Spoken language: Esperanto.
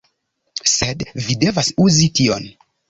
Sed vi devas uzi tion